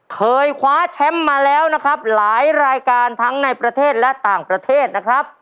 เคยคว้าแชมป์มาแล้วนะครับหลายรายการทั้งในประเทศและต่างประเทศนะครับ